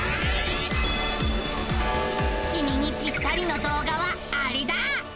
きみにぴったりの動画はアレだ！